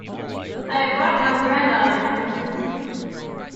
I have brought my granddaughter, Judy.